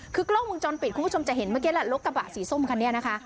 คือกล้องมือจอนปิดคุณผู้ชมจะเห็นเมื่อกี้ละรถกระบะสีส้มค่ะ